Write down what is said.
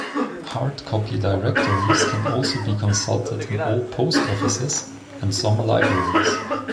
Hard-copy directories can also be consulted in all post offices, and some libraries.